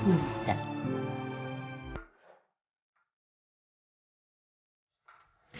terima kasih oma